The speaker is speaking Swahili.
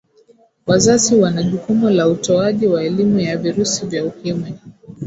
wazazi wana jukumu la utoaji wa elimu ya virusi vya ukimwi